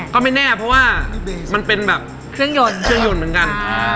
ก็ไม่แน่เพราะว่ามันเป็นแบบเครื่องยนต์เครื่องยนต์เหมือนกัน